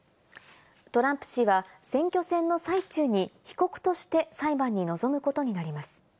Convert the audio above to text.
トランプ氏は選挙戦の最中に被告として裁判に臨むことになります。